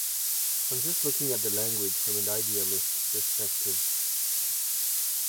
I'm just looking at the language from an idealist perspective